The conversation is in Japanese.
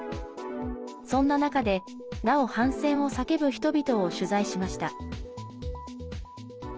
そんな中でなお反戦を叫ぶ人々を取材しました。